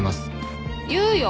言うよ。